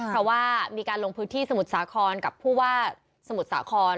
เพราะว่ามีการลงพื้นที่สมุทรสาครกับผู้ว่าสมุทรสาคร